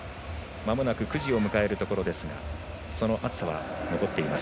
まもなく９時を迎えるところですがその暑さは、残っています